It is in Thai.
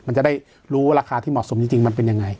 มันจะได้รู้ราคาที่เหมาะสมจริงมันเป็นยังไง